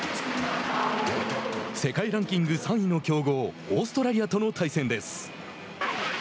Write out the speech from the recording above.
世界ランキング３位の強豪オーストラリアとの対戦です。